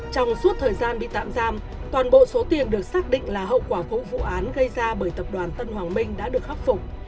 trong suốt thời gian bị tạm giam toàn bộ số tiền được xác định là hậu quả của vụ án gây ra bởi tập đoàn tân hoàng minh đã được khắc phục